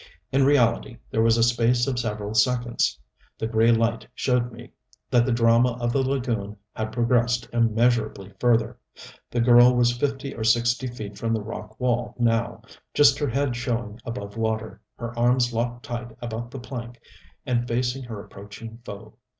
In reality there was a space of several seconds the gray light showed me that the drama of the lagoon had progressed immeasurably further. The girl was fifty or sixty feet from the rock wall now, just her head showing above water, her arms locked tight about the plank and facing her approaching foe.